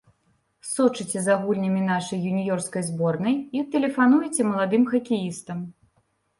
Сочыце за гульнямі нашай юніёрскай зборнай і тэлефануеце маладым хакеістам.